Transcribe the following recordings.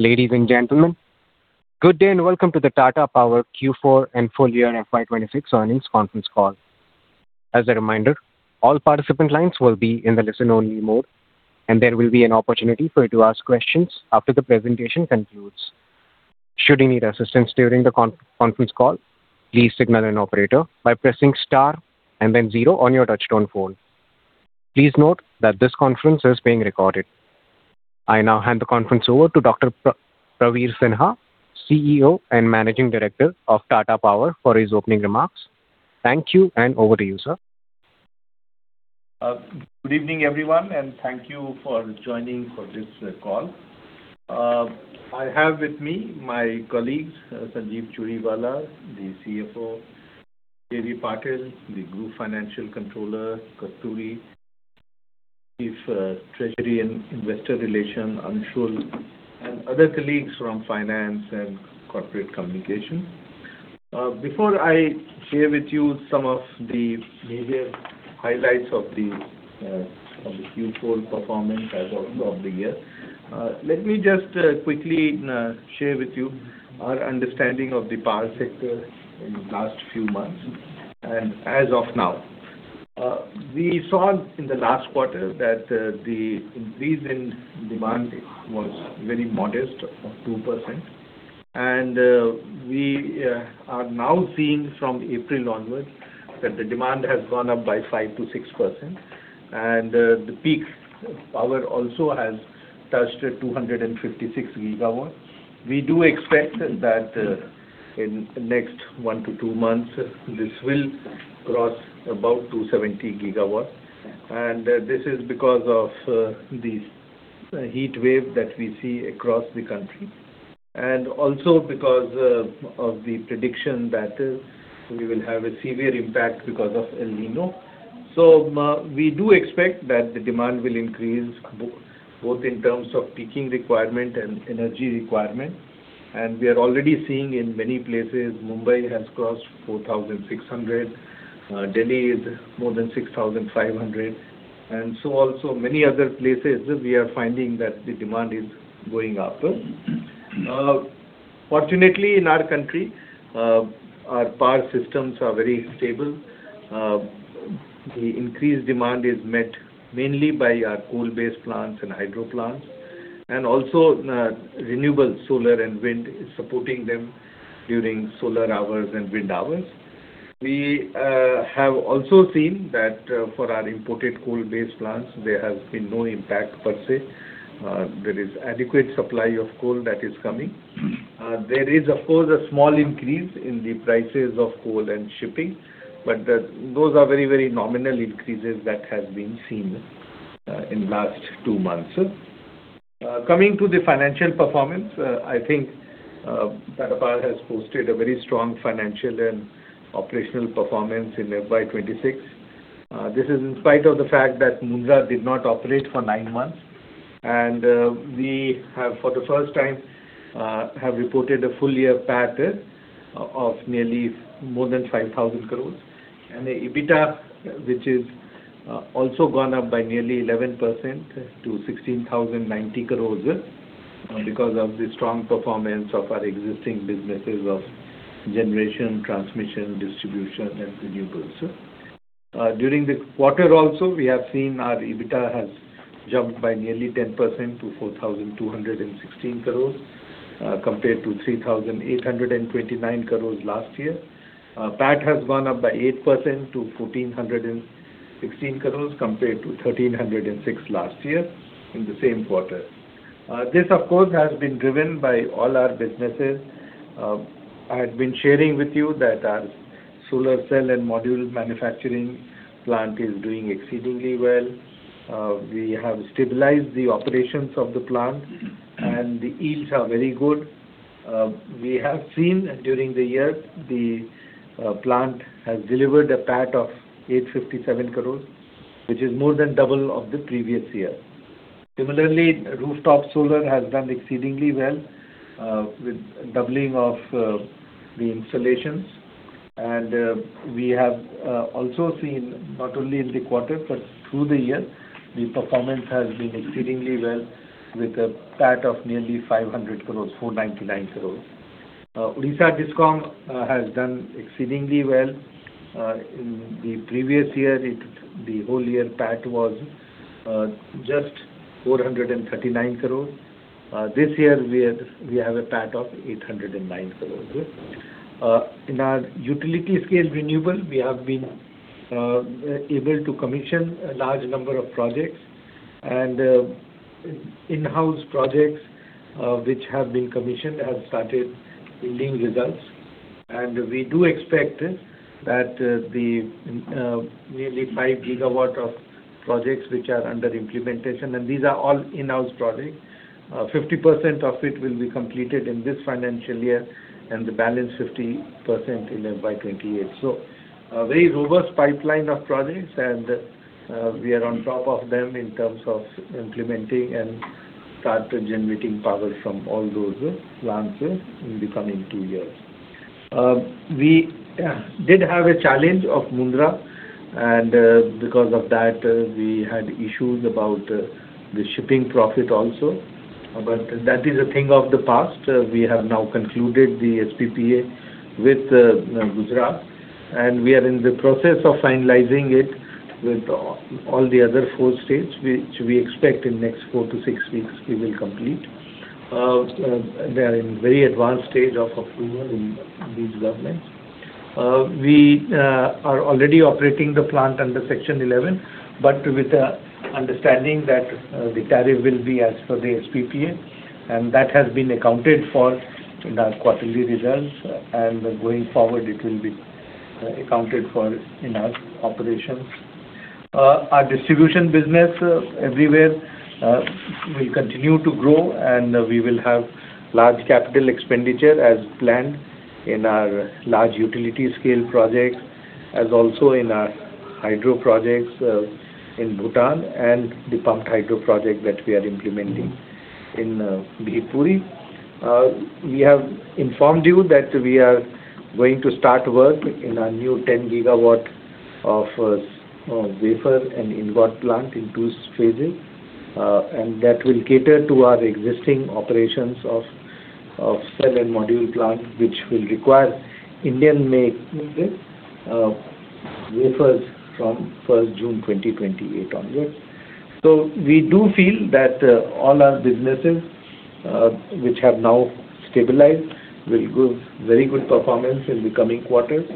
Ladies and gentlemen, good day and welcome to the Tata Power Q4 and full year FY 2026 earnings conference call. As a reminder, all participant lines will be in the listen only mode, and there will be an opportunity for you to ask questions after the presentation concludes. Should you need assistance during the conference call, please signal an operator by pressing star and then zero on your touchtone phone. Please note that this conference is being recorded. I now hand the conference over to Dr. Praveer Sinha, CEO and Managing Director of Tata Power for his opening remarks. Thank you, and over to you, sir. Good evening, everyone, and thank you for joining for this call. I have with me my colleagues, Sanjeev Churiwala, the CFO, Jinendra Patil, the Group Financial Controller, Kasturi Soundararajan, Chief – Treasury & Investor Relations, Anshul, and other colleagues from finance and corporate communication. Before I share with you some of the major highlights of the Q4 performance as of the year, let me just quickly share with you our understanding of the power sector in the last few months and as of now. We saw in the last quarter that the increase in demand was very modest of 2%. We are now seeing from April onwards that the demand has gone up by 5%-6%. The peak power also has touched 256GW. We do expect that in next one to two months, this will cross about 270GW. This is because of the heat wave that we see across the country, and also because of the prediction that we will have a severe impact because of El Niño. We do expect that the demand will increase both in terms of peaking requirement and energy requirement. We are already seeing in many places Mumbai has crossed 4,600, Delhi is more than 6,500. Also many other places we are finding that the demand is going up. Fortunately, in our country, our power systems are very stable. The increased demand is met mainly by our coal-based plants and hydro plants, and also, renewable solar and wind is supporting them during solar hours and wind hours. We have also seen that, for our imported coal-based plants, there has been no impact per se. There is adequate supply of coal that is coming. There is of course a small increase in the prices of coal and shipping, but those are very, very nominal increases that has been seen, in last tw months. Coming to the financial performance, I think Tata Power has posted a very strong financial and operational performance in FY 2026. This is in spite of the fact that Mundra did not operate for nine months. We have for the first time reported a full year PAT of nearly more than 5,000 crores. The EBITDA, which is also gone up by nearly 11% to 16,090 crores, because of the strong performance of our existing businesses of generation, transmission, distribution and renewables. During the quarter also, we have seen our EBITDA has jumped by nearly 10% to 4,216 crores, compared to 3,829 crores last year. PAT has gone up by 8% to 1,416 crores compared to 1,306 last year in the same quarter. This of course, has been driven by all our businesses. I had been sharing with you that our solar cell and module manufacturing plant is doing exceedingly well. We have stabilized the operations of the plant and the yields are very good. We have seen during the year the plant has delivered a PAT of 857 crores, which is more than double of the previous year. Similarly, rooftop solar has done exceedingly well with doubling of the installations. We have also seen not only in the quarter, but through the year, the performance has been exceedingly well with a PAT of nearly 500 crores, 499 crores. Odisha Discom has done exceedingly well. In the previous year the whole year PAT was just 439 crores. This year we have a PAT of 809 crores. In our utility scale renewable, we have been able to commission a large number of projects and in-house projects which have been commissioned have started yielding results. We do expect that the nearly 5 GW of projects which are under implementation, and these are all in-house projects, 50% of it will be completed in this financial year and the balance 50% in FY 2028. A very robust pipeline of projects and we are on top of them in terms of implementing and start generating power from all those plants in the coming two years. We did have a challenge of Mundra and because of that, we had issues about the shipping profit also. That is a thing of the past. We have now concluded the SPPA with Mundra, and we are in the process of finalizing it with all the other four states, which we expect in next four to six weeks we will complete. They are in very advanced stage of approval in these governments. We are already operating the plant under Section 11, but with the understanding that the tariff will be as per the SPPA, and that has been accounted for in our quarterly results, and going forward it will be accounted for in our operations. Our distribution business everywhere will continue to grow and we will have large capital expenditure as planned in our large utility scale projects, as also in our hydro projects in Bhutan and the pumped hydro project that we are implementing in Bhivpuri. We have informed you that we are going to start work in our new 10 GW of wafer and inverter plant in two stages. That will cater to our existing operations of cell and module plant, which will require Indian-made wafers from June 1, 2028 onwards. We do feel that all our businesses, which have now stabilized, will give very good performance in the coming quarters.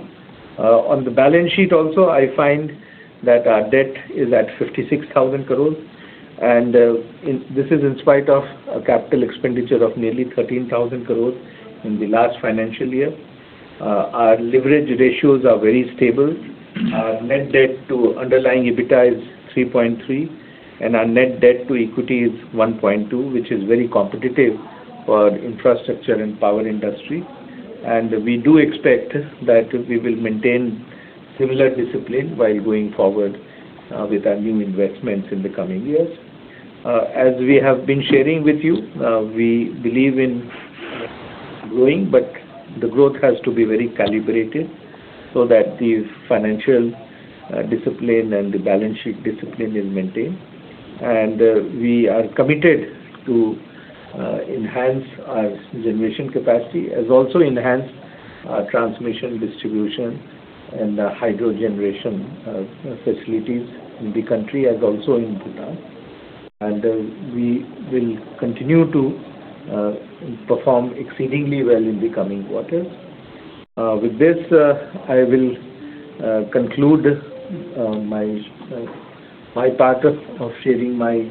On the balance sheet also, I find that our debt is at 56,000 crores. This is in spite of a capital expenditure of nearly 13,000 crores in the last financial year. Our leverage ratios are very stable. Our net debt to underlying EBITDA is 3.3, and our net debt to equity is 1.2, which is very competitive for infrastructure and power industry. We do expect that we will maintain similar discipline while going forward with our new investments in the coming years. As we have been sharing with you, we believe in growing, but the growth has to be very calibrated so that the financial discipline and the balance sheet discipline is maintained. We are committed to enhance our generation capacity, as also enhance our transmission, distribution and hydro generation facilities in the country as also in Bhutan. We will continue to perform exceedingly well in the coming quarters. With this, I will conclude my part of sharing my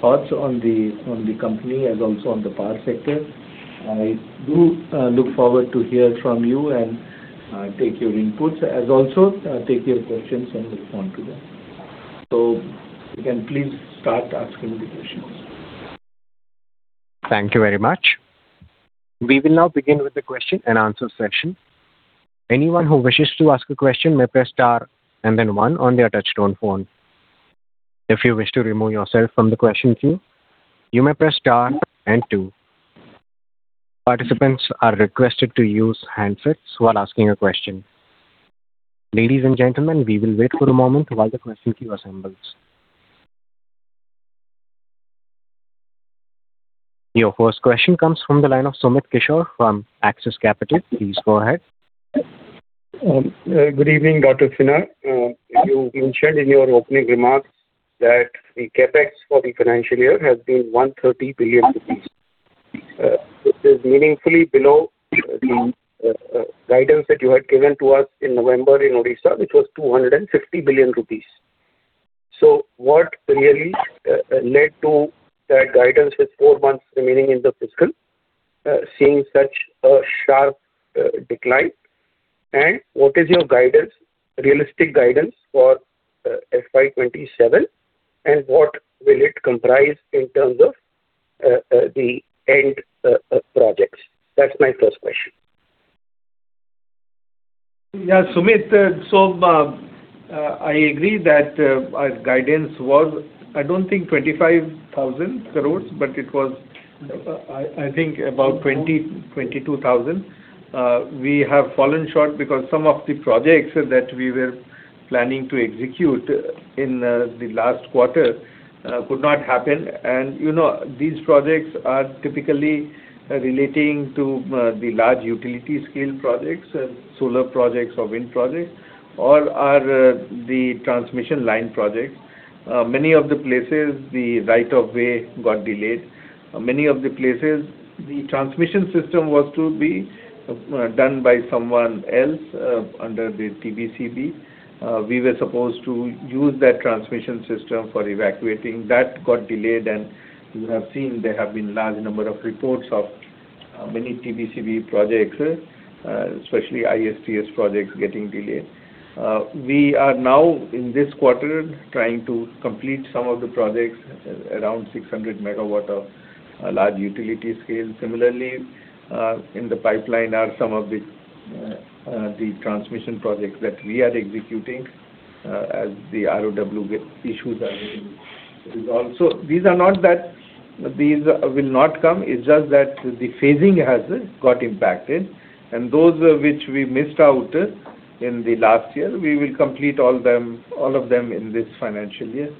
thoughts on the company as also on the power sector. I do look forward to hear from you and take your inputs as also take your questions and respond to them. You can please start asking the questions. Thank you very much. We will now begin with the question and answer session. Anyone who wishes to ask a question may press star and then one on their touchtone phone. If you wish to remove yourself from the question queue, you may press star and two. Participants are requested to use handsets while asking a question. Ladies and gentlemen, we will wait for a moment while the question queue assembles. Your first question comes from the line of Sumit Kishore from Axis Capital. Please go ahead. Good evening, Dr. Sinha. You mentioned in your opening remarks that the CapEx for the financial year has been 130 billion rupees. This is meaningfully below the guidance that you had given to us in November in Odisha, which was INR 250 billion. What really led to that guidance with four months remaining in the fiscal, seeing such a sharp decline? What is your guidance, realistic guidance for FY 2027, and what will it comprise in terms of the end projects? That's my first question. Sumit, I agree that our guidance was, I don't think 25,000 crore, but it was, I think about 20,000-22,000 crore. We have fallen short because some of the projects that we were planning to execute in the last quarter could not happen. You know, these projects are typically relating to the large utility scale projects, solar projects or wind projects, or are the transmission line projects. Many of the places the right of way got delayed. Many of the places the transmission system was to be done by someone else under the TBCB. We were supposed to use that transmission system for evacuating. That got delayed, and you have seen there have been large number of reports of many TBCB projects, especially ISTS projects getting delayed. We are now in this quarter trying to complete some of the projects, around 600 MW of large utility scale. Similarly, in the pipeline are some of the transmission projects that we are executing as the ROW issues are getting resolved. These will not come. It's just that the phasing has got impacted. Those which we missed out in the last year, we will complete all them, all of them in this financial year.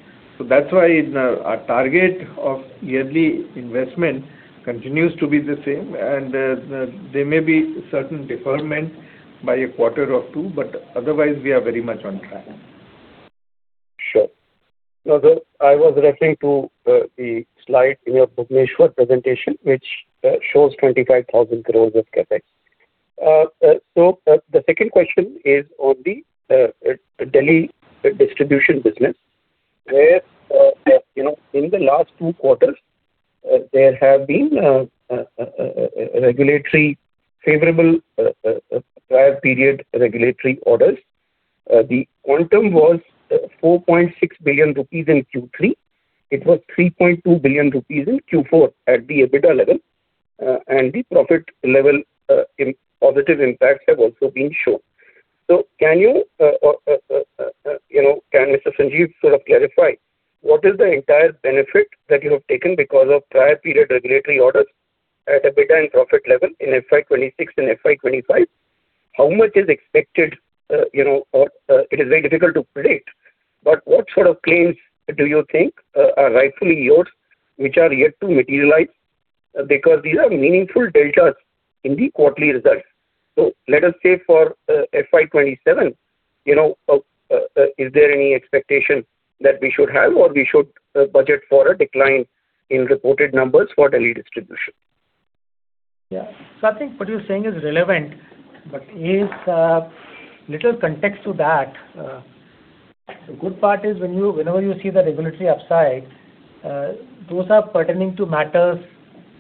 That's why now our target of yearly investment continues to be the same. There may be certain deferment by a quarter or two, but otherwise we are very much on track. Sure. I was referring to the slide in your Bhubaneswar presentation, which shows 25,000 crores of CapEx. The second question is on the Delhi distribution business, where, you know, in the last two quarters, there have been regulatory favorable prior period regulatory orders. The quantum was 4.6 billion rupees in Q3. It was 3.2 billion rupees in Q4 at the EBITDA level. And the profit level, in positive impacts have also been shown. Can you know, can Mr. Sanjeev sort of clarify what is the entire benefit that you have taken because of prior period regulatory orders at EBITDA and profit level in FY 2026 and FY 2025? How much is expected, you know, or, it is very difficult to predict, but what sort of claims do you think are rightfully yours which are yet to materialize? Because these are meaningful deltas in the quarterly results. Let us say for, FY 2027, you know, is there any expectation that we should have or we should budget for a decline in reported numbers for Delhi Distribution? Yeah. I think what you're saying is relevant, but is little context to that. The good part is whenever you see the regulatory upside, those are pertaining to matters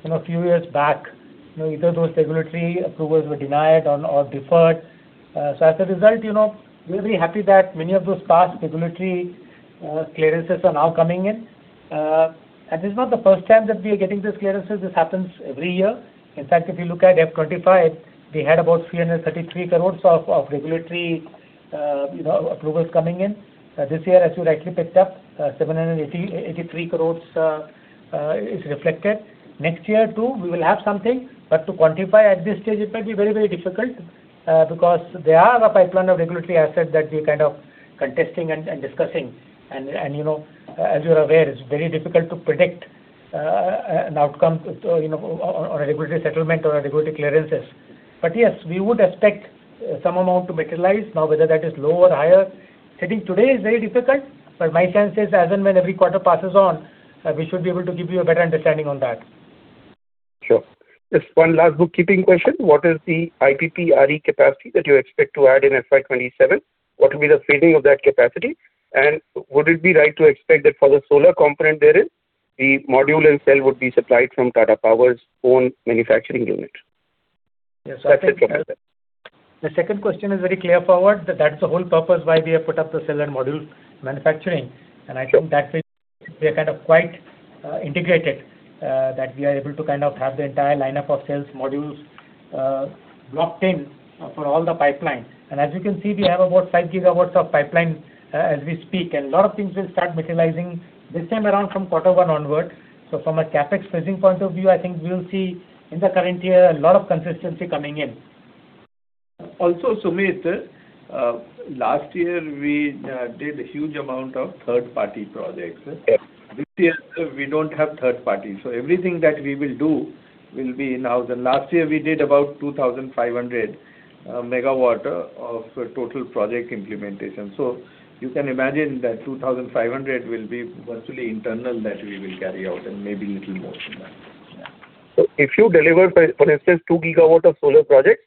in a few years back. You know, either those regulatory approvals were denied or deferred. As a result, you know, we're very happy that many of those past regulatory clearances are now coming in. This is not the first time that we are getting these clearances. This happens every year. In fact, if you look at FY 2025, we had about 333 crore of regulatory, you know, approvals coming in. This year, as you rightly picked up, 783 crore is reflected. Next year too, we will have something, to quantify at this stage it might be very, very difficult because there are a pipeline of regulatory assets that we're kind of contesting and discussing. You know, as you're aware, it's very difficult to predict an outcome, you know, on a regulatory settlement or regulatory clearances. Yes, we would expect some amount to materialize. Whether that is low or higher sitting today is very difficult, my sense is as and when every quarter passes on, we should be able to give you a better understanding on that. Sure. Just one last bookkeeping question. What is the IPP RE capacity that you expect to add in FY 2027? What will be the phasing of that capacity? Would it be right to expect that for the solar component therein, the module and cell would be supplied from Tata Power's own manufacturing unit? Yes. That's it. The second question is very clear forward. That's the whole purpose why we have put up the cell and module manufacturing. I think that we are kind of quite integrated that we are able to have the entire lineup of cells, modules, locked in for all the pipeline. As you can see, we have about 5 GW of pipeline as we speak, and a lot of things will start materializing this time around from quarter one onward. From a CapEx phasing point of view, I think we'll see in the current year a lot of consistency coming in. Sumit, last year we did a huge amount of third-party projects. Yes. This year we don't have third party. Everything that we will do will be now. The last year we did about 2,500 MW of total project implementation. You can imagine that 2,500 will be virtually internal that we will carry out and maybe little more than that. If you deliver, for instance, 2 GW of solar projects,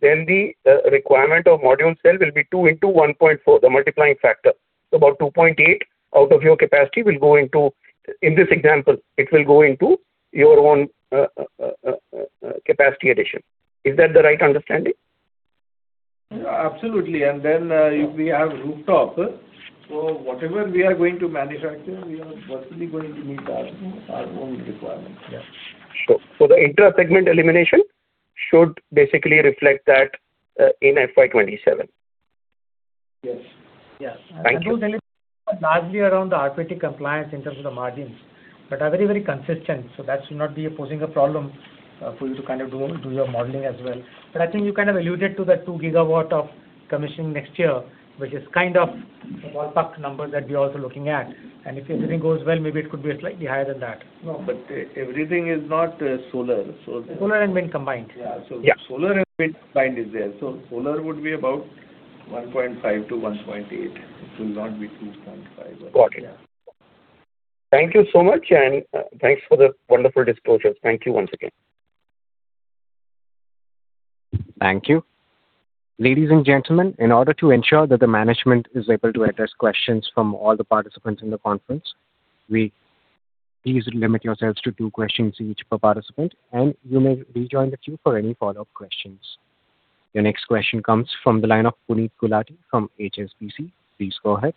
then the requirement of module cell will be 2 into 1.4, the multiplying factor. About 2.8 out of your capacity will go into, in this example, it will go into your own capacity addition. Is that the right understanding? Absolutely. Then we have rooftop. Whatever we are going to manufacture, we are virtually going to meet our own requirements. Yeah. Sure. The intra-segment elimination should basically reflect that in FY 2027. Yes. Yes. Thank you. Those eliminations are largely around the RPT compliance in terms of the margins, but are very, very consistent, so that should not be posing a problem for you to kind of do your modeling as well. I think you kind of alluded to the 2 GW of commissioning next year, which is kind of a ballpark number that we are also looking at. If everything goes well, maybe it could be slightly higher than that. Everything is not solar. Solar and wind combined. Yeah. Yeah. Solar and wind combined is there. Solar would be about 1.5 to 1.8. It will not be 2.5. Got it. Yeah. Thank you so much, and thanks for the wonderful disclosures. Thank you once again. Thank you. Ladies and gentlemen, in order to ensure that the management is able to address questions from all the participants in the conference, please limit yourselves to two questions each per participant, and you may rejoin the queue for any follow-up questions. Your next question comes from the line of Puneet Gulati from HSBC. Please go ahead.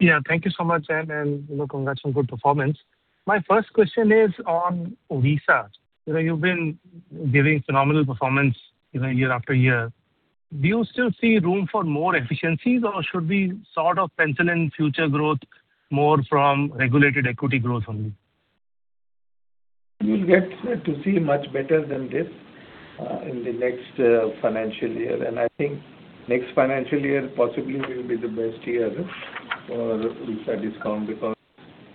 Yeah, thank you so much. You know, congrats on good performance. My first question is on WESCO. You know, you've been giving phenomenal performance, you know, year after year. Do you still see room for more efficiencies or should we sort of pencil in future growth more from regulated equity growth only? You will get to see much better than this in the next financial year. I think next financial year possibly will be the best year for Odisha Discom because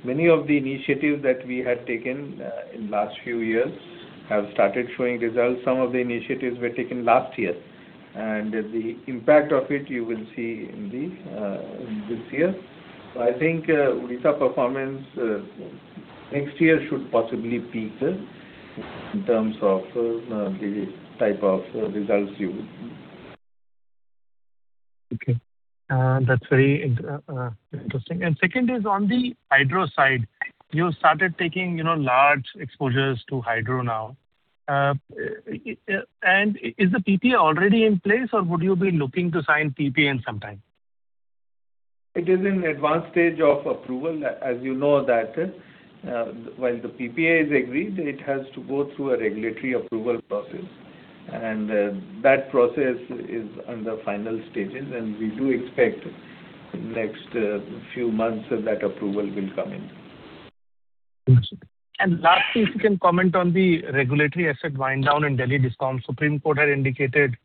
many of the initiatives that we had taken in last few years have started showing results. Some of the initiatives were taken last year and the impact of it you will see in this year. I think Odisha performance next year should possibly peak in terms of the type of results you. Okay. That's very interesting. Second is on the hydro side. You started taking, you know, large exposures to hydro now. Is the PPA already in place or would you be looking to sign PPA in some time? It is in advanced stage of approval. As you know that, when the PPA is agreed, it has to go through a regulatory approval process. That process is under final stages. We do expect next few months that approval will come in. Understood. Last, if you can comment on the regulatory asset wind down in Delhi Discom. Supreme Court had indicated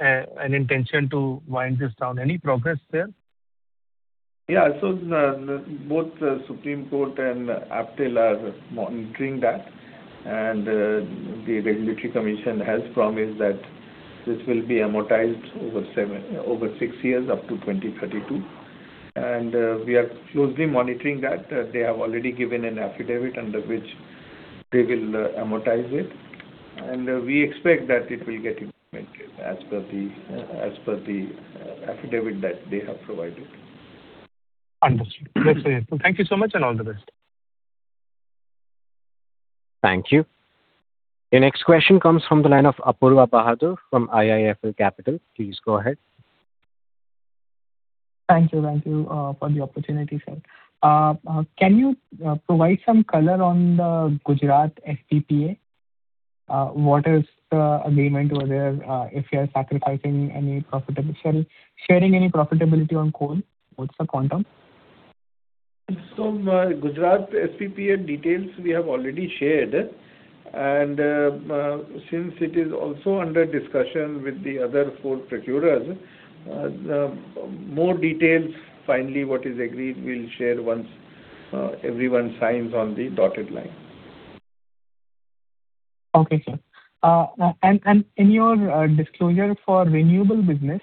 an intention to wind this down. Any progress there? Yeah. The Supreme Court and APTEL are monitoring that, and the regulatory commission has promised that this will be amortized over six years up to 2032. We are closely monitoring that. They have already given an affidavit under which they will amortize it, and we expect that it will get implemented as per the affidavit that they have provided. Understood. That's very helpful. Thank you so much and all the best. Thank you. The next question comes from the line of Apoorva Bahadur from IIFL Capital. Please go ahead. Thank you. Thank you for the opportunity, sir. Can you provide some color on the Gujarat SPPA? What is the agreement over there? If you are sharing any profitability on coal, what's the quantum? Gujarat SPPA details we have already shared. Since it is also under discussion with the other four procurers, the more details finally what is agreed, we'll share once everyone signs on the dotted line. Okay, sir. In your disclosure for renewable business,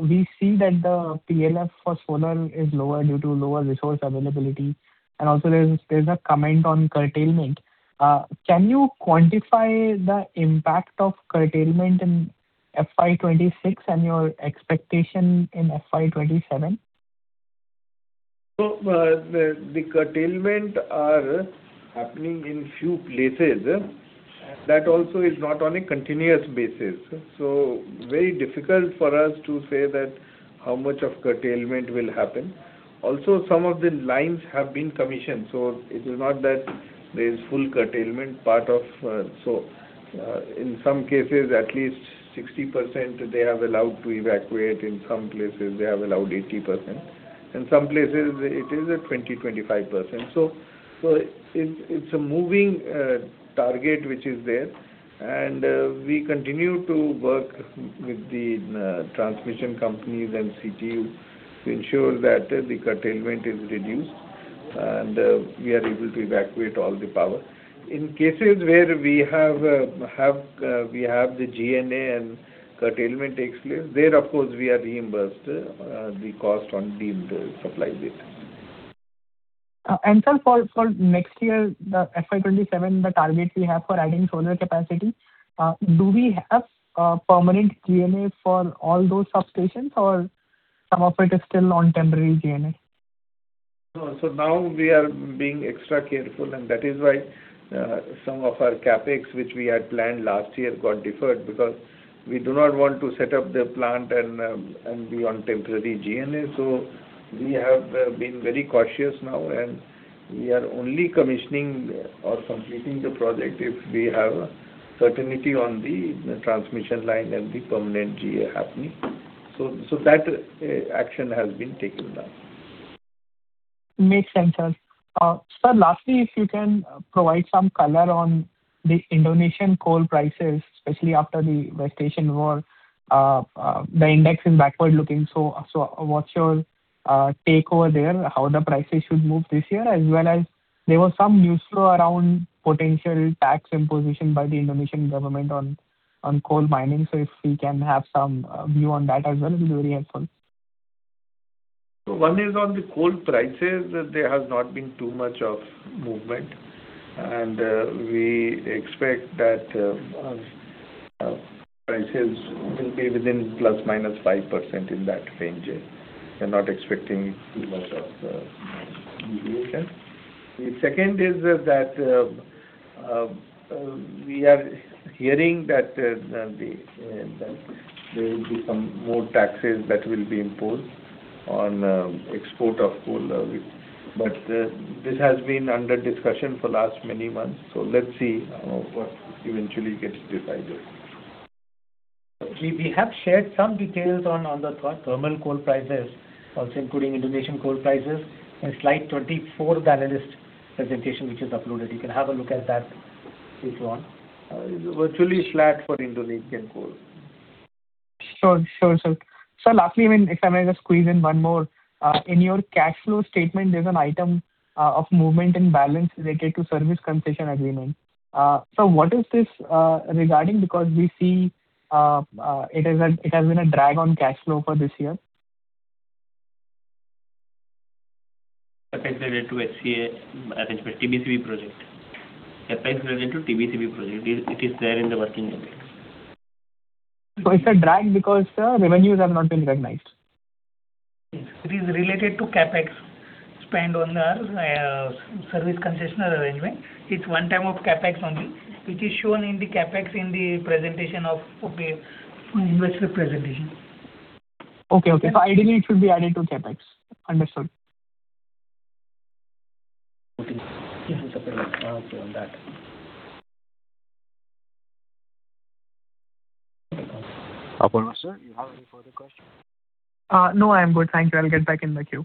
we see that the PLF for solar is lower due to lower resource availability, and also there's a comment on curtailment. Can you quantify the impact of curtailment in FY 2026 and your expectation in FY 2027? The curtailment are happening in few places. That also is not on a continuous basis, so very difficult for us to say that how much of curtailment will happen. Also, some of the lines have been commissioned, so it is not that there is full curtailment. In some cases, at least 60% they have allowed to evacuate. In some places they have allowed 80%. In some places it is a 20%-25%. It's a moving target which is there. We continue to work with the transmission companies and CTU to ensure that the curtailment is reduced and we are able to evacuate all the power. In cases where we have the GNA and curtailment takes place, there of course we are reimbursed, the cost on the supply base. Sir, for next year, the FY 2027, the targets we have for adding solar capacity, do we have, permanent GNA for all those substations or some of it is still on temporary GNA? No. Now we are being extra careful, and that is why, some of our CapEx, which we had planned last year, got deferred because we do not want to set up the plant and be on temporary GNA. We have been very cautious now, and we are only commissioning or completing the project if we have certainty on the transmission line and the permanent [GA] happening. That action has been taken now. Makes sense, sir. Sir, lastly, if you can provide some color on the Indonesian coal prices, especially after the West Asian war. The index is backward-looking. What's your take over there, how the prices should move this year? As well as there was some news flow around potential tax imposition by the Indonesian Government on coal mining. If we can have some view on that as well, it'll be very helpful. One is on the coal prices. There has not been too much of movement, we expect that prices will be within plus minus 5% in that range. We're not expecting too much of deviation. The second is that we are hearing that there will be some more taxes that will be imposed. On export of coal, this has been under discussion for last many months. Let's see what eventually gets decided. We have shared some details on the thermal coal prices, also including Indonesian coal prices in slide 24 of the analyst presentation which is uploaded. You can have a look at that if you want. It's virtually flat for Indonesian coal. Sure, sure. Lastly, I mean, if I may just squeeze in one more. In your cash flow statement, there's an item of movement and balance related to service concession agreement. What is this regarding? Because we see it has been a drag on cash flow for this year. CapEx related to SCA arrangement, TBCB project. CapEx related to TBCB project. It is there in the working limit. It's a drag because the revenues have not been recognized. It is related to CapEx spent on our service concessional arrangement. It's 1x of CapEx only, which is shown in the CapEx in the investor presentation. Okay. Okay. Ideally it should be added to CapEx. Understood. This is a separate topic on that. Apoorva, sir, you have any further questions? No, I am good. Thank you. I'll get back in the queue.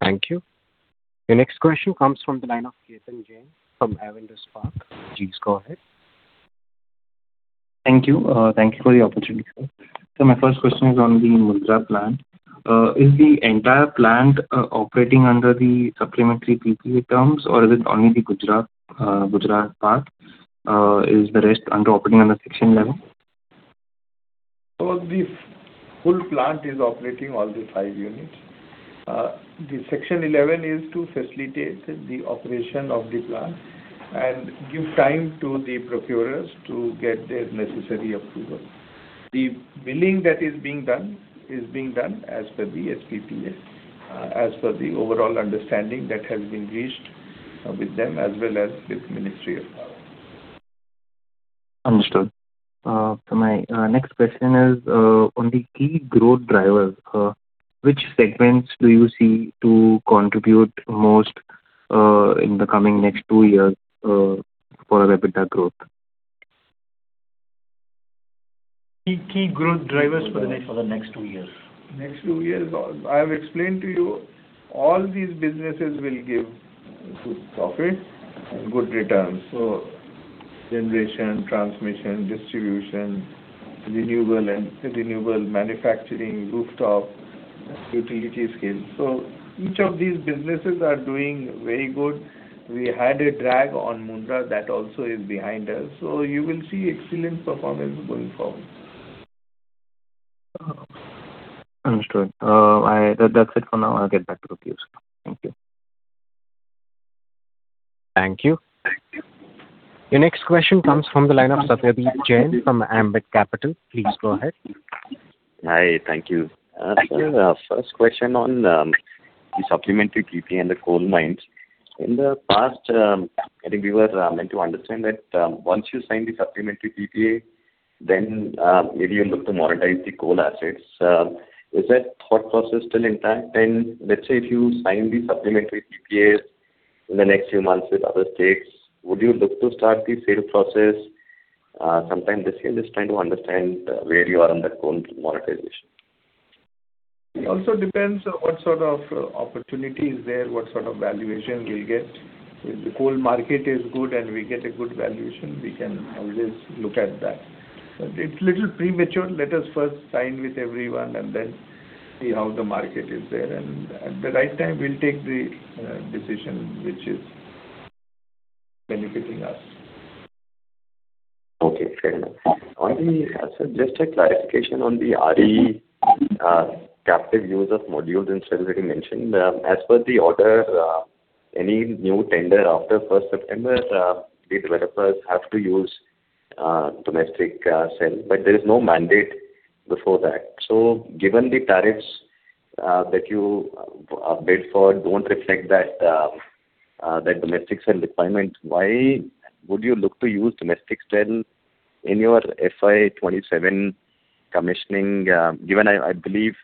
Thank you. The next question comes from the line of Ketan Jain from Avendus Spark. Please go ahead. Thank you. Thank you for the opportunity, sir. My first question is on the Mundra plant. Is the entire plant operating under the supplementary PPA terms or is it only the Gujarat part? Is the rest operating under Section 11? The full plant is operating all the five units. The Section 11 is to facilitate the operation of the plant and give time to the procurers to get their necessary approval. The billing that is being done is being done as per the SPPA, as per the overall understanding that has been reached with them as well as with Ministry of Power. Understood. My next question is on the key growth drivers. Which segments do you see to contribute most in the coming next two years for EBITDA growth? Key growth drivers for the For the next two years. Next two years. I have explained to you all these businesses will give good profit and good returns, generation, transmission, distribution, renewable manufacturing, rooftop, utility scale. Each of these businesses are doing very good. We had a drag on Mundra that also is behind us, so you will see excellent performance going forward. Understood. That's it for now. I'll get back to the queue, sir. Thank you. Thank you. Your next question comes from the line of Satyadeep Jain from Ambit Capital. Please go ahead. Hi. Thank you. Thank you. Sir, first question on the supplementary PPA and the coal mines. In the past, I think we were meant to understand that once you sign the supplementary PPA then maybe you look to monetize the coal assets. Is that thought process still intact? Let's say if you sign the supplementary PPAs in the next few months with other states, would you look to start the sale process sometime this year? Just trying to understand where you are on that coal monetization. It also depends on what sort of opportunity is there, what sort of valuation we'll get. If the coal market is good and we get a good valuation, we can always look at that. It's little premature. Let us first sign with everyone and then see how the market is there. At the right time we'll take the decision which is benefiting us. Okay, fair enough. On the sir, just a clarification on the RE captive use of modules and cells that you mentioned. As per the order, any new tender after first September, the developers have to use domestic cell. There is no mandate before that. Given the tariffs that you bid for don't reflect that domestic cell requirement, why would you look to use domestic cell in your FY 2027 commissioning? Given I believe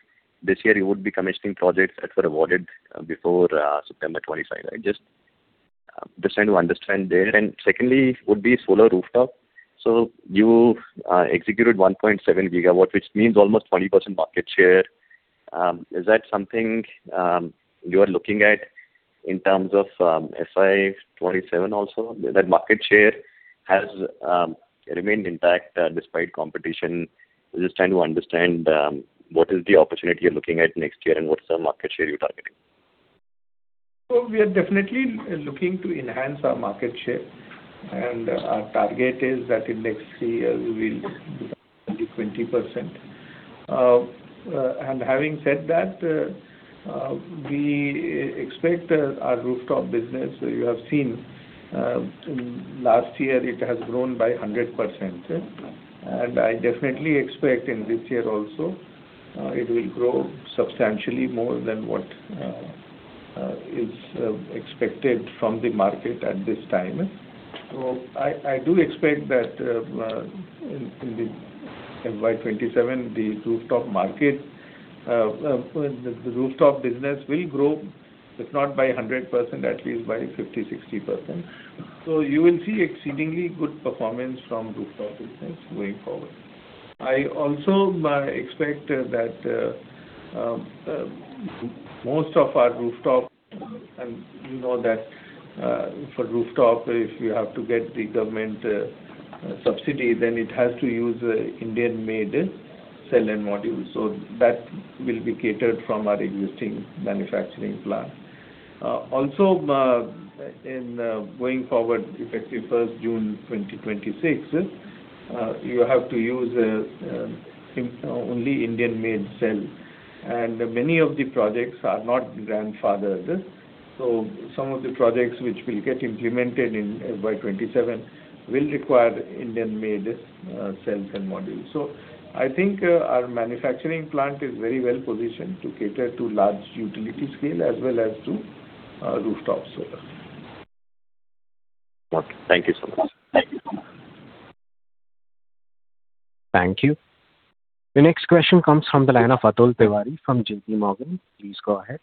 this year you would be commissioning projects that were awarded before September 25. I'm just trying to understand there. Secondly would be solar rooftop. You executed 1.7 GW, which means almost 20% market share. Is that something you are looking at in terms of FY 2027 also? That market share has remained intact despite competition. I'm just trying to understand what is the opportunity you're looking at next year and what's the market share you're targeting? We are definitely looking to enhance our market share, and our target is that in next three years we will do 20%-20%. And having said that, we expect our rooftop business, you have seen, last year it has grown by 100%. And I definitely expect in this year also, it will grow substantially more than what is expected from the market at this time. I do expect that in the FY 2027, the rooftop market, the rooftop business will grow, if not by a 100%, at least by 50%-60%. You will see exceedingly good performance from rooftop business going forward. I also expect that most of our rooftop, and you know that for rooftop, if you have to get the government subsidy, then it has to use Indian-made cell and module. That will be catered from our existing manufacturing plant. Also, in going forward, effective June 1, 2026, you have to use only Indian-made cell. Many of the projects are not grandfathered, so some of the projects which will get implemented in FY 2027 will require Indian-made cells and modules. I think our manufacturing plant is very well positioned to cater to large utility scale as well as to rooftop solar. Okay. Thank you so much. Thank you. Thank you. The next question comes from the line of Atul Tiwari from J.P. Morgan. Please go ahead.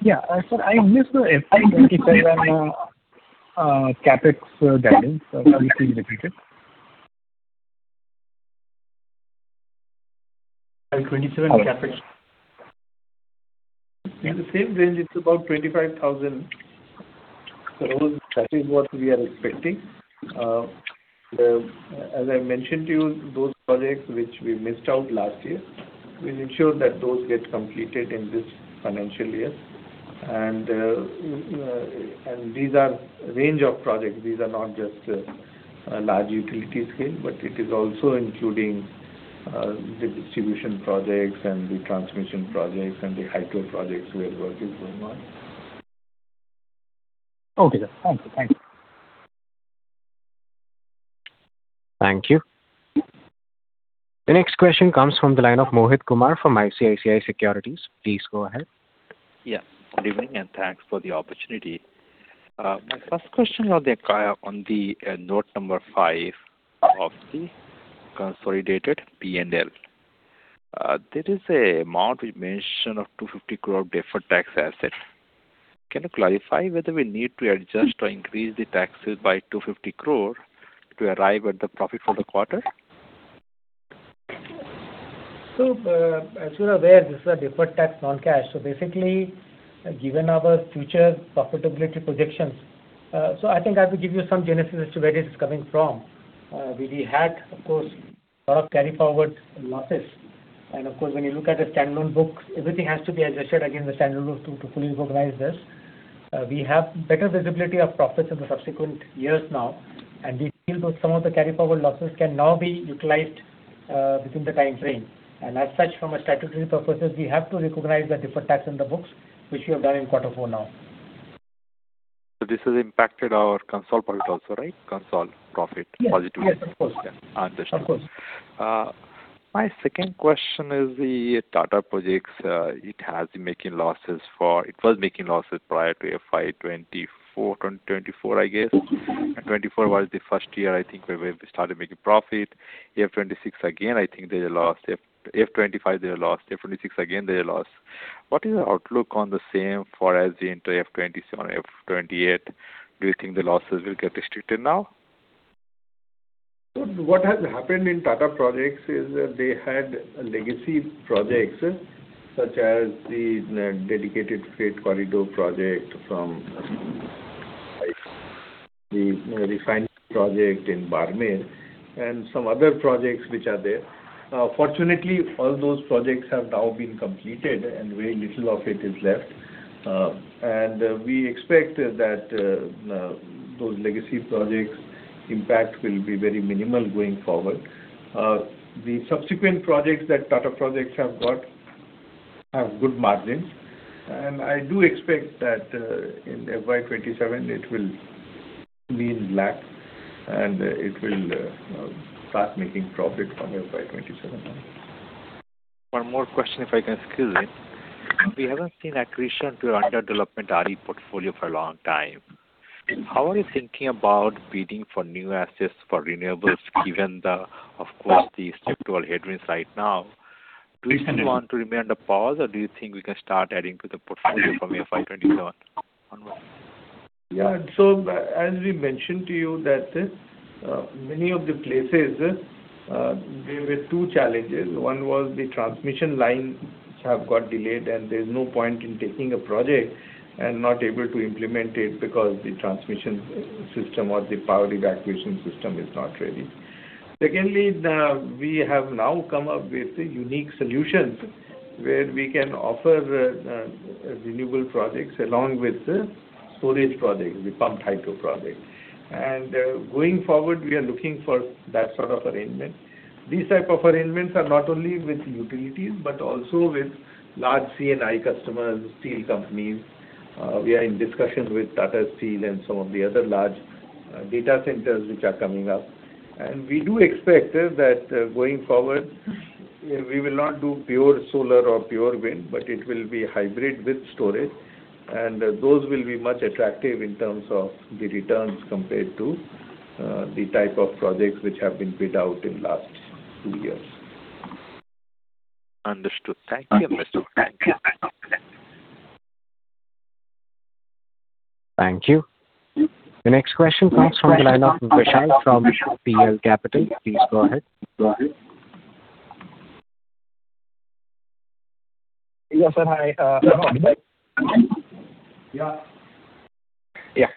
Yeah. Sir, I missed the FY CapEx guidance. Can you please repeat it? FY 2027 CapEx. In the same range, it's about 25,000 crores. That is what we are expecting. As I mentioned to you, those projects which we missed out last year, we'll ensure that those get completed in this financial year. These are range of projects. These are not just large utility scale, but it is also including the distribution projects and the transmission projects and the hydro projects we are working on. Okay, sir. Thank you. Thank you. The next question comes from the line of Mohit Kumar from ICICI Securities. Please go ahead. Good evening, and thanks for the opportunity. My first question on the note number 5 of the consolidated P&L. There is an amount we mention of 250 crore deferred tax asset. Can you clarify whether we need to adjust or increase the taxes by 250 crore to arrive at the profit for the quarter? As you're aware, this is a deferred tax non-cash. Basically, given our future profitability projections, I think I have to give you some genesis as to where this is coming from. We had, of course, lot of carry forward losses. Of course, when you look at the standalone books, everything has to be adjusted against the standalone books to fully recognize this. We have better visibility of profits in the subsequent years now, and we feel those some of the carry forward losses can now be utilized within the time frame. As such, from a statutory purposes, we have to recognize the deferred tax in the books, which we have done in quarter four now. This has impacted our consolidated profit also, right? Consolidated profit positively. Yes. Yes, of course. Understood. Of course. My second question is the Tata Projects. It was making losses prior to FY 2024, I guess. 2024 was the first year, I think, where we have started making profit. FY 2026 again, I think they lost. FY 2025, they lost. FY 2026 again, they lost. What is the outlook on the same for as we enter [FY 2027] or FY 2028? Do you think the losses will get restricted now? What has happened in Tata Projects is they had legacy projects such as the Dedicated Freight Corridor project from the refinery project in Barmer and some other projects which are there. Fortunately, all those projects have now been completed, and very little of it is left. And we expect that those legacy projects impact will be very minimal going forward. The subsequent projects that Tata Projects have got have good margins. And I do expect that in FY 2027, it will be in black, and it will start making profit from FY 2027 onwards. One more question, if I can squeeze in. We haven't seen accretion to under development RE portfolio for a long time. How are you thinking about bidding for new assets for renewables, given the, of course, the structural headwinds right now? Do you still want to remain the pause, or do you think we can start adding to the portfolio from FY 2027 onwards? Yeah. As we mentioned to you that many of the places there were two challenges. One was the transmission lines have got delayed, and there's no point in taking a project and not able to implement it because the transmission system or the power evacuation system is not ready. Secondly, we have now come up with unique solutions where we can offer renewable projects along with storage projects, the pumped hydro projects. Going forward, we are looking for that sort of arrangement. These type of arrangements are not only with utilities, but also with large C&I customers, steel companies. We are in discussions with Tata Steel and some of the other large data centers which are coming up. We do expect that going forward, we will not do pure solar or pure wind, but it will be hybrid with storage. Those will be much attractive in terms of the returns compared to the type of projects which have been bid out in last two years. Understood. Thank you. Thank you. The next question comes from the line of Vishal from PL Capital. Please go ahead. Yes, sir. Hi. In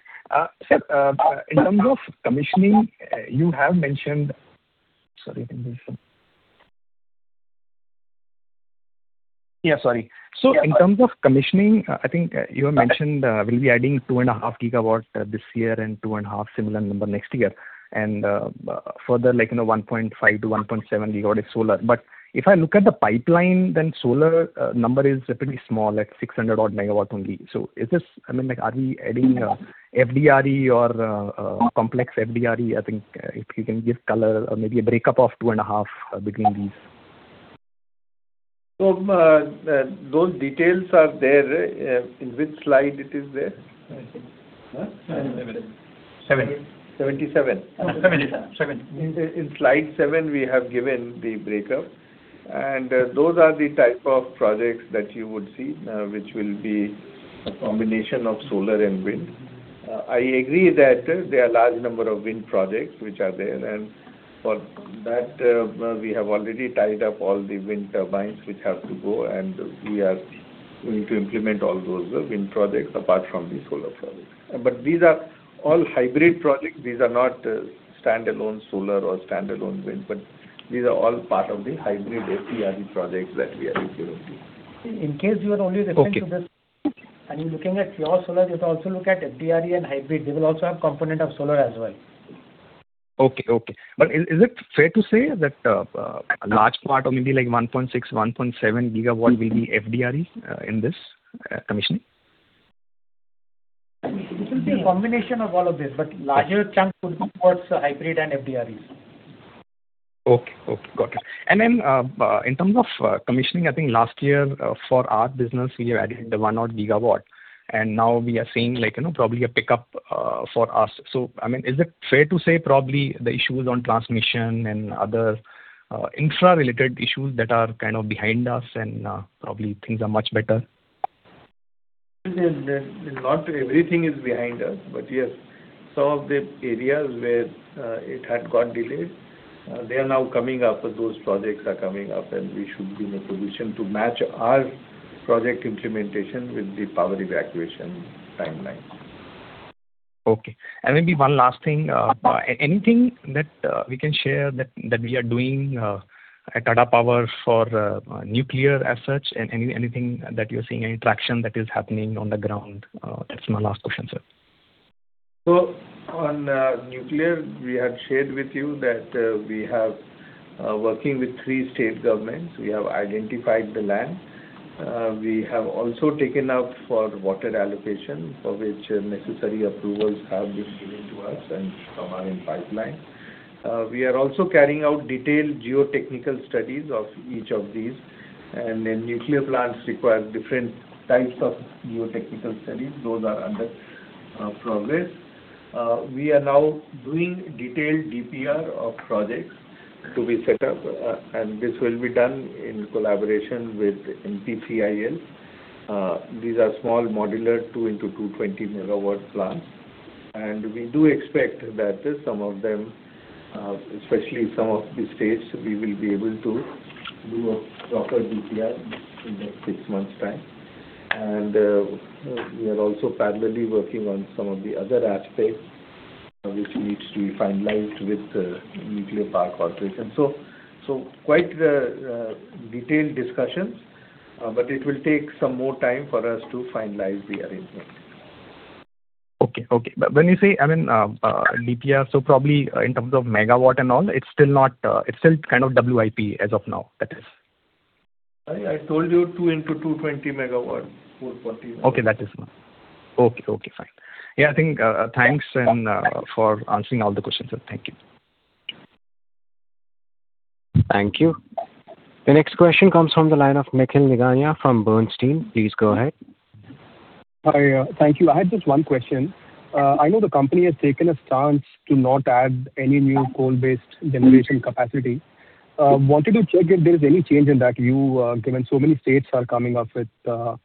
terms of commissioning, I think you have mentioned we'll be adding 2.5 GW this year and 2.5 similar number next year. Further like, you know, 1.5 GW-1.7 GW is solar. If I look at the pipeline, then solar number is pretty small, like -600 MW only. Is this I mean, like, are we adding FDRE or complex FDRE? I think, if you can give color or maybe a breakup of 2.5 between these. Those details are there. In which slide it is there? Seven. 77.. 77. In slide 7 we have given the breakup. Those are the type of projects that you would see, which will be a combination of solar and wind. I agree that there are large number of wind projects which are there. For that, we have already tied up all the wind turbines which have to go, and we are going to implement all those wind projects apart from the solar projects. These are all hybrid projects. These are not standalone solar or standalone wind, but these are all part of the hybrid FDRE projects that we are referring to. In case you are only referring to this. Okay. You're looking at pure solar, you have to also look at FDRE and hybrid. They will also have component of solar as well. Okay. Okay. Is it fair to say that a large part of maybe like 1.6, 1.7 GW will be FDRE in this commissioning? This will be a combination of all of this, but larger chunk would be towards hybrid and FDREs. Okay. Okay. Got it. In terms of commissioning, I think last year, for our business we have added 1 odd GW, and now we are seeing like, you know, probably a pickup for us. I mean, is it fair to say probably the issues on transmission and other infra related issues that are kind of behind us and probably things are much better? Not everything is behind us, but yes, some of the areas where it had got delayed, they are now coming up. Those projects are coming up and we should be in a position to match our project implementation with the power evacuation timeline. Okay. Maybe one last thing. Anything that we can share that we are doing at Tata Power for nuclear as such, and anything that you're seeing, any traction that is happening on the ground? That's my last question, sir. On nuclear, we have shared with you that we have working with three state governments. We have identified the land. We have also taken up for water allocation, for which necessary approvals have been given to us and some are in pipeline. We are also carrying out detailed geotechnical studies of each of these. Nuclear plants require different types of geotechnical studies. Those are under progress. We are now doing detailed DPR of projects to be set up, and this will be done in collaboration with NPCIL. These are small modular 2 x 220 MW plants. We do expect that some of them, especially some of the states, we will be able to do a proper DPR in the next six months' time. We are also parallelly working on some of the other aspects which needs to be finalized with the Nuclear Power Corporation. Quite detailed discussions, but it will take some more time for us to finalize the arrangement. Okay. Okay. When you say, I mean, DPR, probably in terms of megawatt and all, it's still not, it's still kind of WIP as of now, that is. I told you 2*220 MW, 440 MW. Okay, that is Okay. Okay, fine. Yeah, I think, thanks and, for answering all the questions. Thank you. Thank you. The next question comes from the line of Nikhil Nigania from Bernstein. Please go ahead. Hi. Thank you. I have just one question. I know the company has taken a stance to not add any new coal-based generation capacity. Wanted to check if there is any change in that view, given so many states are coming up with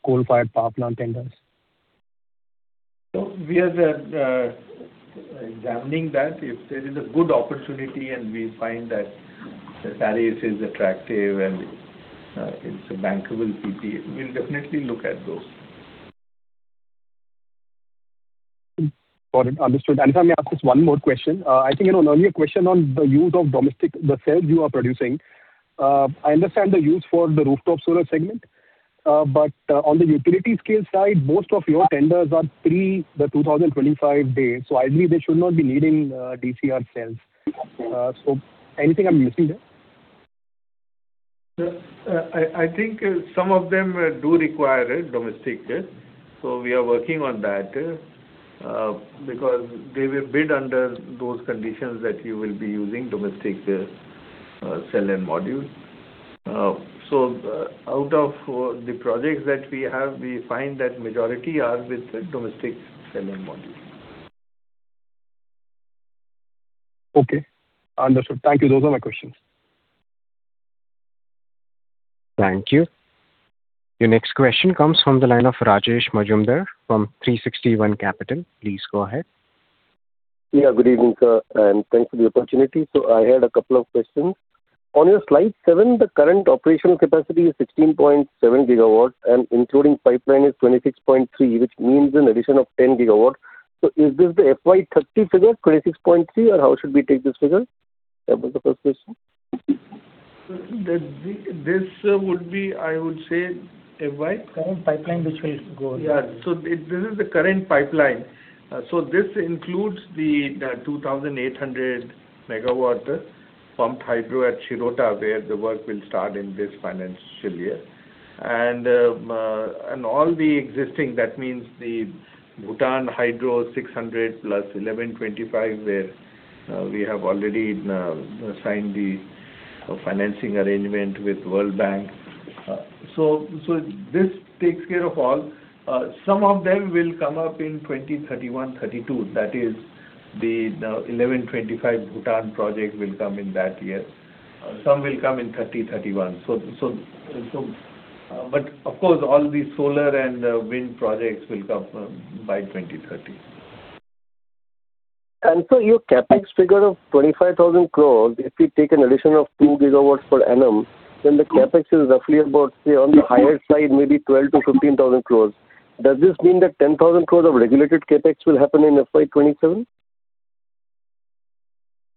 coal-fired power plant tenders. We are examining that. If there is a good opportunity and we find that the tariffs is attractive and it's a bankable PPA, we'll definitely look at those. Got it. Understood. If I may ask just one more question. I think in an earlier question on the use of domestic, the cells you are producing, I understand the use for the rooftop solar segment. On the utility scale side, most of your tenders are pre the 2025 days, ideally they should not be needing DCR cells. Anything I'm missing there? Sir, I think some of them do require a domestic, so we are working on that, because they will bid under those conditions that you will be using domestic cell and module. Out of the projects that we have, we find that majority are with domestic cell and module. Okay. Understood. Thank you. Those are my questions. Thank you. Your next question comes from the line of Rajesh Majumdar from 360 ONE Capital. Please go ahead. Yeah. Good evening, sir, and thanks for the opportunity. I had a couple of questions. On your slide 7, the current operational capacity is 16.7 GW, and including pipeline is 26.3, which means an addition of 10 GW. Is this the FY 2030 figure, 26.3, or how should we take this figure? That was the first question. This would be, I would say. Current pipeline which will go ahead. Yeah. This is the current pipeline. This includes the 2,800 MW pumped hydro at Shirawta, where the work will start in this financial year. All the existing, that means the Bhutan Hydro, 600 plus 1,125, where we have already signed the financing arrangement with World Bank. This takes care of all. Some of them will come up in 2031, 2032. That is the 1,125 Bhutan project will come in that year. Some will come in 2030, 2031. Of course, all the solar and wind projects will come by 2030. Your CapEx figure of 25,000 crores, if we take an addition of 2 GW per annum, then the CapEx is roughly about, say, on the higher side, maybe 12,000-15,000 crores. Does this mean that 10,000 crores of regulated CapEx will happen in FY 2027?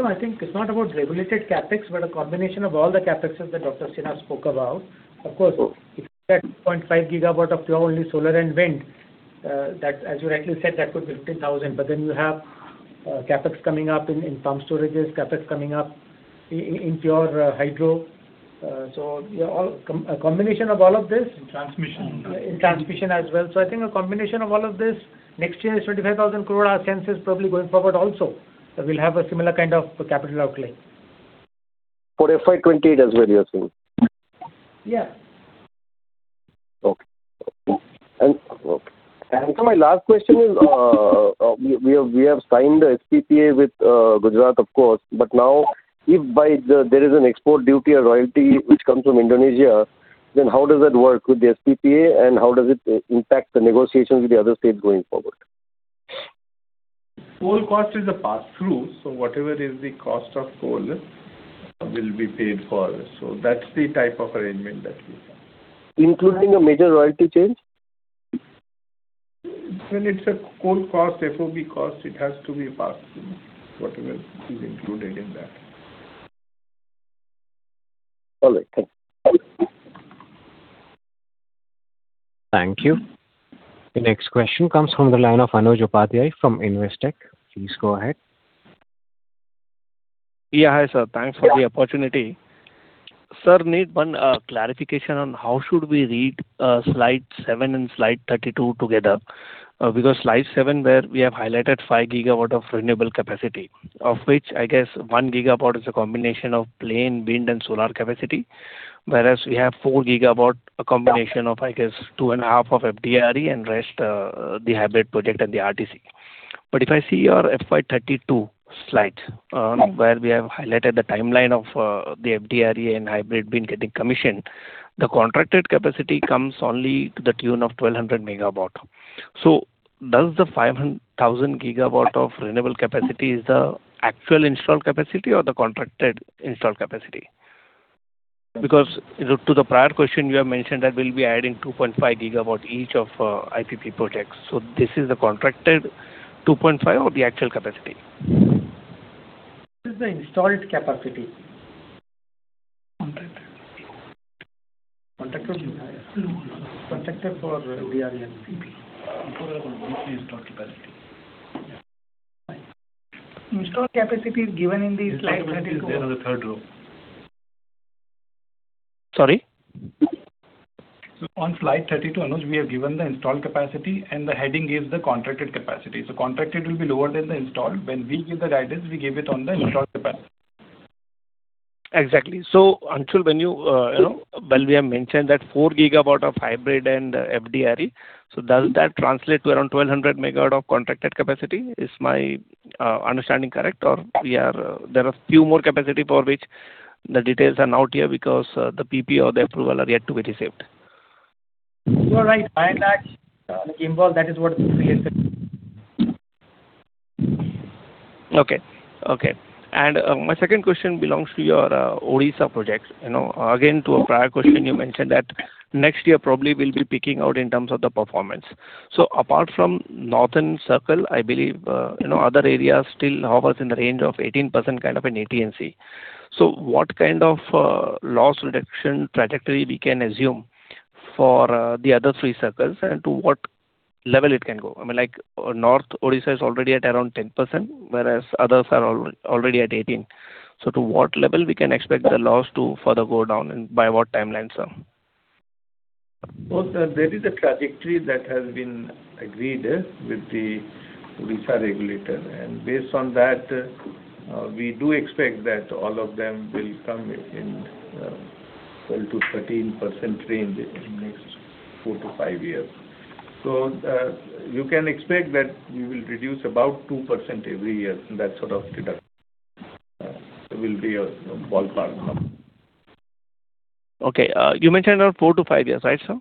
I think it's not about regulated CapEx, but a combination of all the CapExes that Dr. Sinha spoke about. If that 0.5 GW of pure only solar and wind, that, as you rightly said, that could be 15,000. You have CapEx coming up in pump storages, CapEx coming up in pure hydro. Yeah, a combination of all of this. In transmission as well. in transmission as well. I think a combination of all of this, next year is 25,000 crore. Our sense is probably going forward also. We'll have a similar kind of capital outlay. For FY 2028 as well, you are saying? Yeah. Okay. My last question is, we have signed the SPPA with Gujarat, of course. Now if by the, there is an export duty or royalty which comes from Indonesia, then how does that work with the SPPA, and how does it impact the negotiations with the other states going forward? Coal cost is a pass-through, whatever is the cost of coal, will be paid for. That's the type of arrangement that we have. Including a major royalty change? When it is a coal cost, FOB cost, it has to be passed through, whatever is included in that. Got it. Thank you. Thank you. The next question comes from the line of Anuj Upadhyay from Investec. Please go ahead. Yeah. Hi, sir. Thanks for the opportunity. Sir, need 1 clarification on how should we read slide 7 and slide 32 together. Because slide 7, where we have highlighted 5 GW of renewable capacity, of which I guess 1 GW is a combination of plain wind and solar capacity, whereas we have 4 GW, a combination of, I guess, 2.5 of FDRE and rest, the hybrid project and the RTC. If I see your FY 2032 slide, where we have highlighted the timeline of the FDRE and hybrid wind getting commissioned, the contracted capacity comes only to the tune of 1,200 MW. Does the [5000 MW] of renewable capacity is the actual installed capacity or the contracted installed capacity? You know, to the prior question, you have mentioned that we'll be adding 2.5 GW each of IPP projects. Is this the contracted 2.5 or the actual capacity? This is the installed capacity. Contracted. Contracted. Contracted for [FDRE and IPP]. Total installed capacity. Installed capacity is given in the slide 32. Installed capacity is there on the third row. Sorry. On slide 32, Anuj, we have given the installed capacity, and the heading gives the contracted capacity. Contracted will be lower than the installed. When we give the guidance, we give it on the installed capacity. Exactly. Anshul, when you know, well, we have mentioned that 4 GW of hybrid and FDRE, does that translate to around 1,200 MW of contracted capacity? Is my understanding correct, or we are, there are few more capacity for which the details are not here because, the PP or the approval are yet to be received? You are right. By and large, the involved, that is what is related. Okay. Okay. My second question belongs to your Odisha project. You know, again, to a prior question you mentioned that next year probably we'll be peaking out in terms of the performance. Apart from northern circle, I believe, you know, other areas still hovers in the range of 18% kind of an AT&C. What kind of loss reduction trajectory we can assume for the other 3 circles? To what level it can go. I mean, like, North Odisha is already at around 10%, whereas others are already at 18%. To what level we can expect the loss to further go down and by what timelines, sir? Well, sir, there is a trajectory that has been agreed with the Odisha regulator. Based on that, we do expect that all of them will come in 12%-13% range in the next four to five years. You can expect that we will reduce about 2% every year. That sort of reduction will be a ballpark number. Okay. You mentioned around four to five years, right, sir?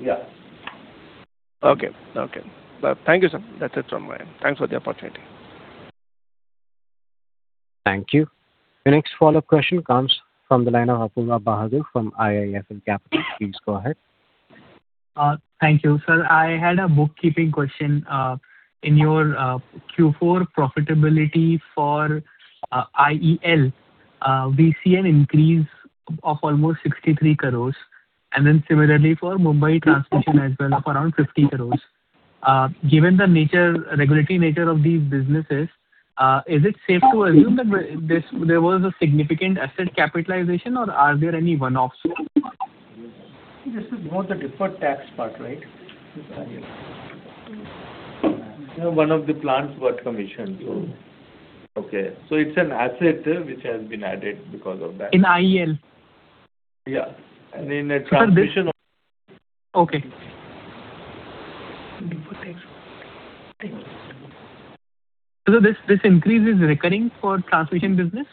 Yeah. Okay. Okay. Thank you, sir. That's it from my end. Thanks for the opportunity. Thank you. The next follow-up question comes from the line of Apoorva Bahadur from IIFL Capital. Please go ahead. Thank you. Sir, I had a bookkeeping question. In your Q4 profitability for IEL, we see an increase of almost 63 crores, and then similarly for Mumbai Transmission as well of around 50 crores. Given the nature, regulatory nature of these businesses, is it safe to assume that there was a significant asset capitalization or are there any one-offs? This is more the deferred tax part, right? One of the plants got commissioned. Okay. It's an asset which has been added because of that. In IEL? Yeah. In the transmission. Okay. Deferred tax. This increase is recurring for transmission business?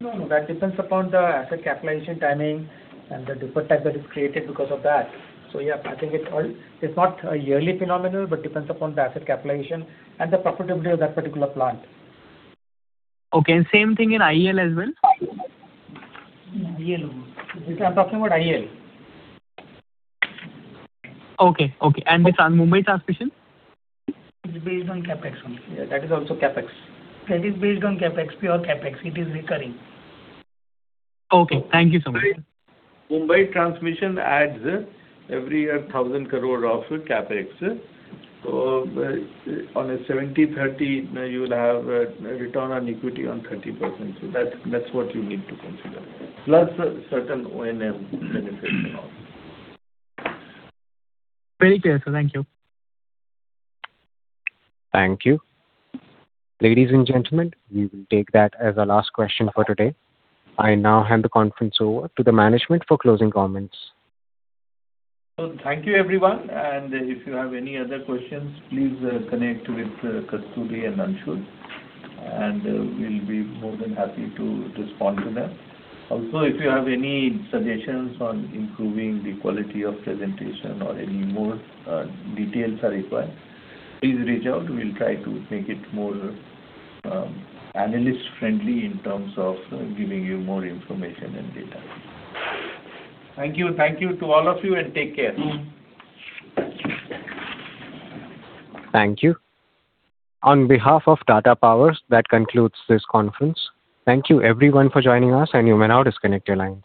No, no. That depends upon the asset capitalization timing and the deferred tax that is created because of that. Yeah, I think it's not a yearly phenomenon, depends upon the asset capitalization and the profitability of that particular plant. Okay. Same thing in IEL as well? IEL. I'm talking about IEL. Okay. Okay. Mumbai Transmission? It's based on CapEx only. Yeah, that is also CapEx. That is based on CapEx, pure CapEx. It is recurring. Okay. Thank you so much. Mumbai Transmission adds every year 1,000 crore of CapEx. On a 70-30, you will have a return on equity on 30%. That's what you need to consider, plus certain O&M benefits as well. Very clear, sir. Thank you. Thank you. Ladies and gentlemen, we will take that as our last question for today. I now hand the conference over to the management for closing comments. Thank you, everyone. If you have any other questions, please connect with Kasturi and Anshul, and we'll be more than happy to respond to them. If you have any suggestions on improving the quality of presentation or any more details are required, please reach out. We'll try to make it more analyst-friendly in terms of giving you more information and data. Thank you. Thank you to all of you, and take care. Thank you. On behalf of Tata Power, that concludes this conference. Thank you everyone for joining us, and you may now disconnect your line.